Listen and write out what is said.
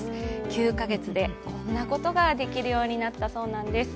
９か月でこんなことができるようになったそうなんです。